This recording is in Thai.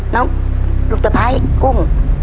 น้องลูกตะพายกุ้ง